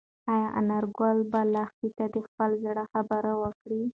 ایا انارګل به لښتې ته د خپل زړه خبره وکړي؟